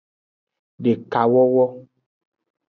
Dekawowo.